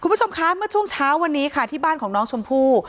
คุณผู้ชมคะเมื่อช่วงเช้าวันนี้ค่ะที่บ้านของน้องชมพู่